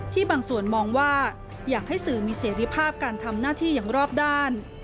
บางส่วนมองว่าอยากให้สื่อมีเสรีภาพการทำหน้าที่อย่างรอบด้าน